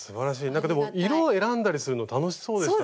なんか色を選んだりするの楽しそうでしたね